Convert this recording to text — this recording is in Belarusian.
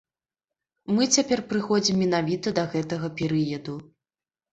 Мы цяпер прыходзім менавіта да гэтага перыяду.